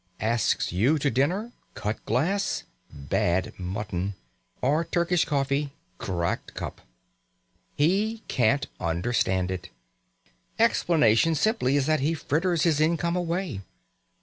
Asks you to dinner: cut glass bad mutton, or Turkish coffee cracked cup! He can't understand it. Explanation simply is that he fritters his income away.